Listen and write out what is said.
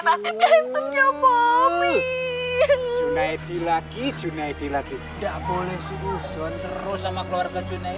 nasibnya insomnia mami junaedi lagi junaedi lagi enggak boleh susun terus sama keluarga junaedi